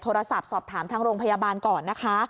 สอบถามทางโรงพยาบาลก่อนนะคะ